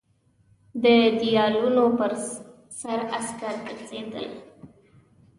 د دېوالونو پر سر عسکر ګرځېدل.